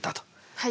はい。